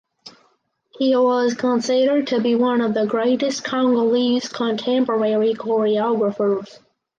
He was considered to be one of the greatest Congolese contemporary choreographers.